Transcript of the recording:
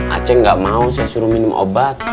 a ceng gak mau saya suruh minum obat